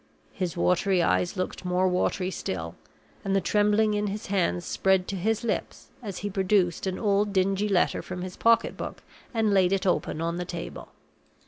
His watery eyes looked more watery still, and the trembling in his hands spread to his lips as he produced an old dingy letter from his pocket book and laid it open on the table.